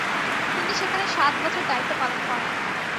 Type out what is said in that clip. তিনি সেখানে সাত বছর দায়িত্ব পালন করেন।